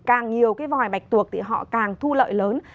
càng nhiều cái vòi bạch tuộc thì họ càng thu lợi lớn